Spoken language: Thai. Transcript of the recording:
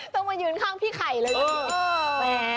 ต้องมายืนข้างพี่ไข่เลย